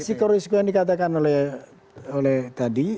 ya resiko risiko yang dikatakan oleh tadi